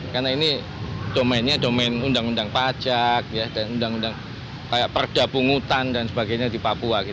karena ini domennya domain undang undang pajak dan undang undang perda pungutan dan sebagainya di papua